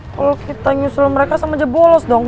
kalo kita nyusul mereka sama jebolos dong